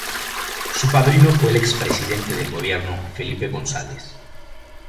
Su padrino fue el expresidente del gobierno, Felipe González.